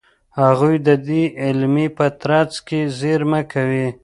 هغوی د دې عملیې په ترڅ کې زېرمه کوي.